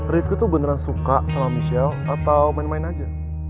rizky tuh beneran suka sama michelle atau main main aja